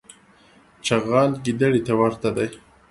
چغال ګیدړي ته ورته دی.